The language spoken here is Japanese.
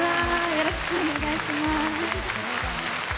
よろしくお願いします。